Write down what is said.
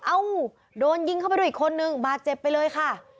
โดนยิงเข้าไปด้วยอีกคนนึงบาดเจ็บไปเลยค่ะ